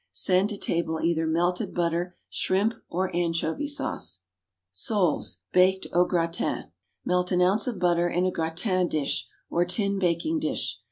Send to table either melted butter, shrimp, or anchovy sauce. =Soles, Baked au Gratin.= Melt an ounce of butter in a gratin dish, or tin baking dish.